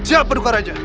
siapa duka raja